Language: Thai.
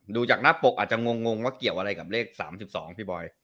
ดูจากหน้าปกอาจจะงงว่าเกี่ยวอะไรกับเลข๓๒พี่บอย